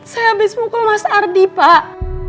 saya habis mukul mas ardi pak